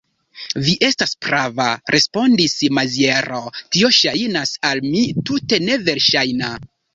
Vi estas prava, respondis Maziero; tio ŝajnas al mi tute neverŝajna.